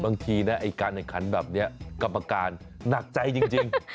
บางทีเนี่ยการแขนแบบนี้กรรมการหนักใจจริง